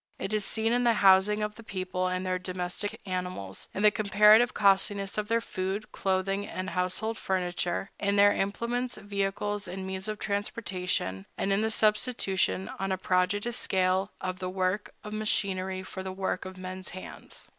It is seen in the housing of the people and of their domestic animals, in the comparative costliness of their food, clothing, and household furniture, in their implements, vehicles, and means of transportation, and in the substitution, on a prodigious scale, of the work of machinery for the work of men's hands.